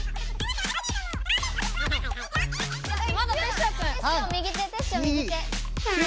まだテッショウくん。